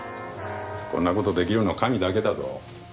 こんなことできるの神だけだぞ。